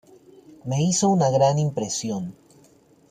Me hizo una gran impresión.